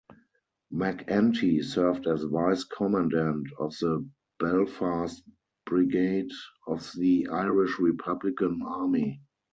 MacEntee served as Vice-Commandant of the Belfast Brigade of the Irish Republican Army.